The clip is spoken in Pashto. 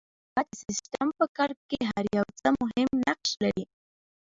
او دا چې د سیسټم په کار کې هر یو څه مهم نقش لري.